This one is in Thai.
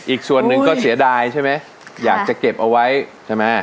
อีกส่วนหนึ่งก็เสียดายใช่ไหมอยากจะเก็บเอาไว้ใช่ไหม